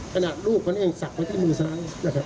ขนาดลูกเขาเองสักไว้ที่มือซ้าย